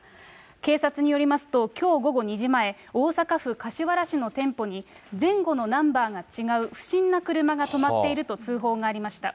警察によりますと、きょう午後２時前、大阪府柏原市の店舗に、前後のナンバーが違う不審な車が止まっていると通報がありました。